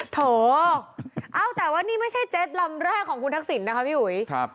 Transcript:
โถเอ้าแต่ว่านี่ไม่ใช่เจ็ดลำแรกของคุณทักษิณนะคะพี่อุ๋ย